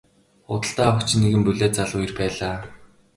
Худалдан авагч нь нэгэн булиа залуу эр байлаа.